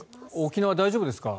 沖縄は大丈夫ですか？